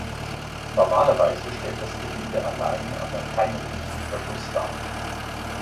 Normalerweise stellt das Gewinde allein aber keinen dichten Verschluss dar.